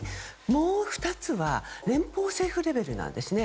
もう２つは連邦政府レベルなんですね。